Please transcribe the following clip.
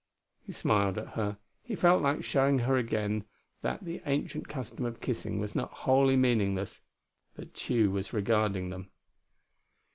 He smiled at her; he felt like showing her again that the ancient custom of kissing was not wholly meaningless, but Tugh was regarding them.